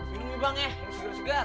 minum mie bang ya yang segar segar